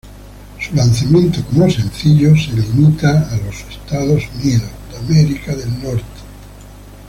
Su lanzamiento como sencillo se limita a los Estados Unidos.